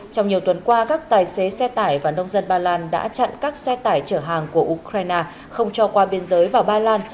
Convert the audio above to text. trong nhiều tuần qua các tài xế xe tải và nông dân ba lan đã chặn các xe tải chở hàng của ukraine không cho qua biên giới vào ba lan